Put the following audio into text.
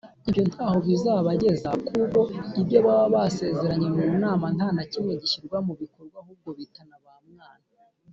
ibyo nta ho bizabageza kuko ibyo baba basezeranye mu nama ntanakimwe gishyirwa mu bikorwa ahubwo bitana ba mwana.